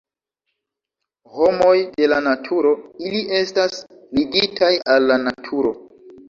Homoj de la naturo, ili estas ligitaj al la naturo.